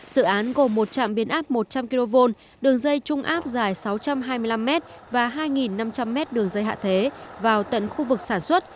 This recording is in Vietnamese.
dự án gồm một trạm biến áp một trăm linh kv đường dây trung áp dài sáu trăm hai mươi năm m và hai năm trăm linh m đường dây hạ thế vào tận khu vực sản xuất